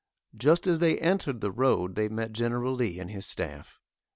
Just as they entered the road they met Gen. Lee and his staff.